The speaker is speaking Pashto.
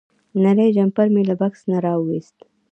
نری جمپر مې له بکس نه راوویست.